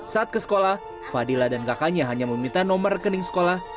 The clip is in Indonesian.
saat ke sekolah fadila dan kakaknya hanya meminta nomor rekening sekolah